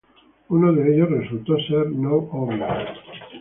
Uno de ellos ser "no obvios".